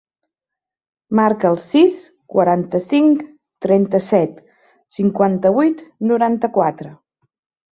Marca el sis, quaranta-cinc, trenta-set, cinquanta-vuit, noranta-quatre.